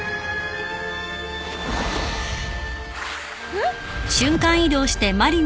えっ！？